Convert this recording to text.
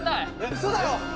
ウソだろ！？